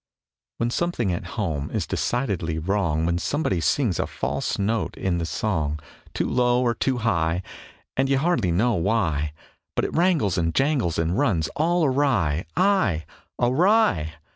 When something at home is decidedly wrong, When somebody sings a false note in the song, Too low or too high, And, you hardly know why, But it wrangles and jangles and runs all awry,... Aye, awry!